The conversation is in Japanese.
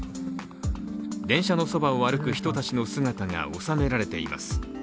電車のそばをあるく人たちの姿が収められています。